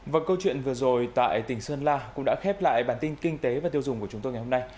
và câu chuyện vừa rồi tại tỉnh sơn la cũng đã khép lại bản tin kinh tế và tiêu dùng của chúng tôi ngày hôm nay